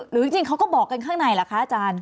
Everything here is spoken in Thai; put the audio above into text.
จริงเขาก็บอกกันข้างในล่ะคะอาจารย์